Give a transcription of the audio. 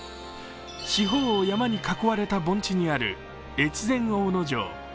四方を山に囲われた盆地にある越前大野城。